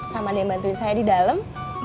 sama ada yang bantuin saya di dalam